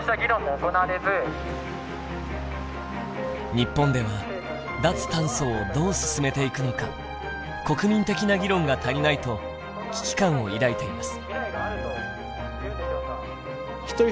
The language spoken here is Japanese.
日本では脱炭素をどう進めていくのか国民的な議論が足りないと危機感を抱いています。